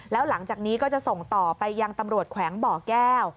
แล้วหลังจากนี้ก็จะส่งต่อไปยังตำรวจแขวงบ่อแก้ว